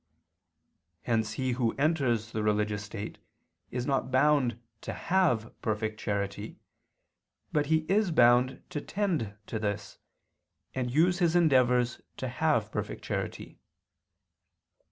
Hence he who enters the religious state is not bound to have perfect charity, but he is bound to tend to this, and use his endeavors to have perfect charity.